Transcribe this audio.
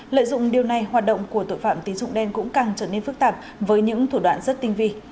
lợi dụng điều này hoạt động của tội phạm tín dụng đen cũng càng trở nên phức tạp với những thủ đoạn rất tinh vi